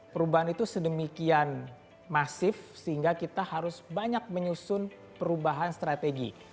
perubahan itu sedemikian masif sehingga kita harus banyak menyusun perubahan strategi